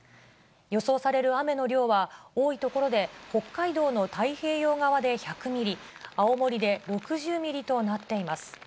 予想される雨の量は、多い所で北海道の太平洋側で１００ミリ、青森で６０ミリとなっています。